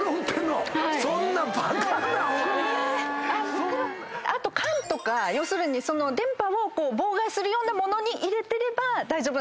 袋⁉あと缶とか要するに電波を妨害するような物に入れてれば大丈夫。